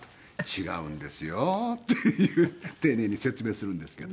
違うんですよっていう丁寧に説明するんですけど。